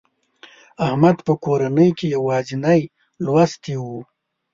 احمد په کورنۍ کې یوازینی لوستي و.